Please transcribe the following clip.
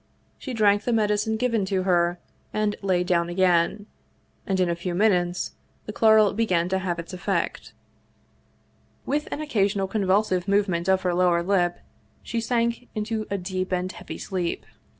She drank the medicine given to her and lay down again, and in a few minutes the chloral began to have its effect. With 197 Russian Mystery Stories an occasional convulsive movement of her lower lip, she sank into a deep and heavy sleep.